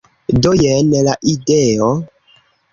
Do, jen la ideo